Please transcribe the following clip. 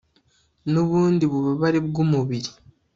nubundi bubabare bwumubiri